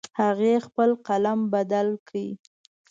هغې خپل قلم بدل کړ